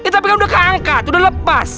tapi kan udah keangkat udah lepas